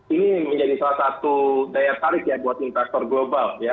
ini menjadi salah satu daya tarik ya buat investor global ya